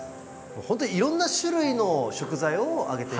本当いろんな種類の食材をあげてるんですね。